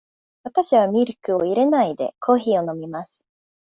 わたしはミルクを入れないで、コーヒーを飲みます。